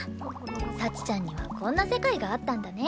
幸ちゃんにはこんな世界があったんだね。